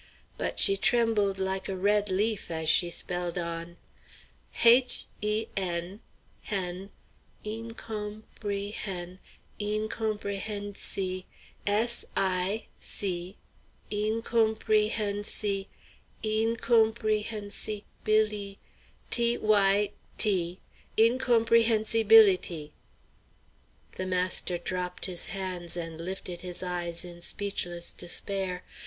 But she trembled like a red leaf as she spelled on "Haich e n, hen, eencawmprehen, eencawmprehensi, s i, si, eencawmprehensi , eencawmprehensi billy t y, ty, incomprehensibility!" The master dropped his hands and lifted his eyes in speechless despair.